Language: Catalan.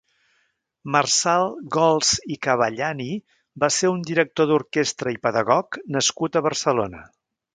Marçal Gols i Cavagliani va ser un director d'orquestra i pedagog nascut a Barcelona.